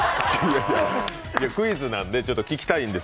クイズなんで聞きたいんです